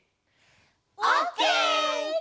オッケー！